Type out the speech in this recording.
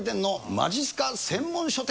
まじっすか専門書店。